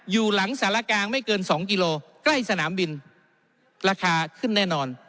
อยู่หลังสารกลางไม่เกิน๒กิโลใกล้สนามบินราคาขึ้นแน่นอน